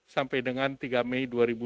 sampai dengan tiga mei dua ribu dua puluh